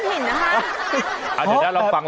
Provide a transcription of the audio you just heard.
มีขนมปังหรือก้อนหิ่นนะคะ